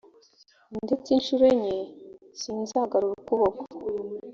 ndetse incuro enye sinzagarura ukuboko